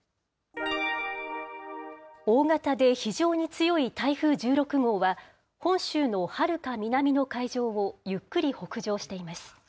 大型で非常に強い台風１６号は、本州のはるか南の海上をゆっくり北上しています。